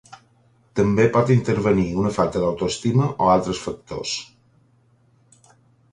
També pot intervenir una falta d'autoestima o altres factors.